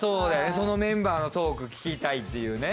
そのメンバーのトーク聞きたいっていうね